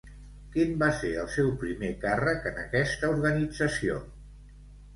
Quin va ser el seu primer càrrec en aquesta organització?